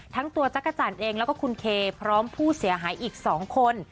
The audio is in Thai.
ทั้งตัวจักรจันทร์เองแล้วก็คุณเคพร้อมผู้เสียหายอีก๒คน